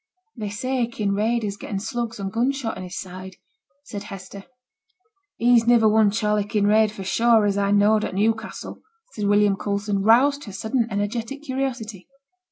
'They say Kinraid has getten slugs and gun shot in his side,' said Hester. 'He's niver one Charley Kinraid, for sure, as I knowed at Newcastle,' said William Coulson, roused to sudden and energetic curiosity.